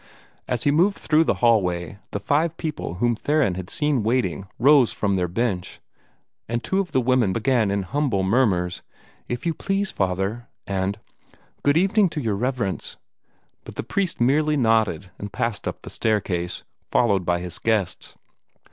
As he moved through the hall way, the five people whom Theron had seen waiting rose from their bench, and two of the women began in humble murmurs, "If you please, Father," and "Good evening to your Riverence;" but the priest merely nodded and passed on up the staircase, followed by his guests.